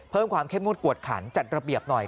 เพิ่มความเข้มงวดกวดขันจัดระเบียบหน่อย